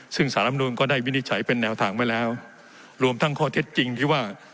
ซึ่งสารรำนูนก็ได้วินิจฉัยเป็นแนวทางไว้แล้วรวมทั้งข้อเท็จจริงที่ว่า